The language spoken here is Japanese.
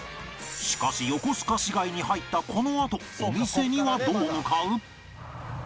しかし横須賀市街に入ったこのあとお店にはどう向かう？